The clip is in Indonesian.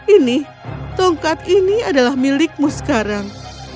ini tongkat ini adalah milikmu sekarang